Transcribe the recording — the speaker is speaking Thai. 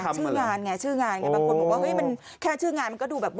บางคนบอกว่าแค่ชื่องานมันก็ดูแบบวิว